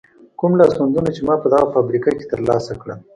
کوم لاسوندونه چې ما په دغه فابریکه کې تر لاسه کړل.